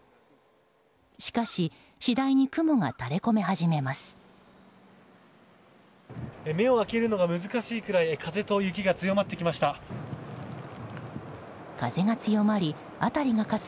しかし、次第に雲が垂れ込め始めます。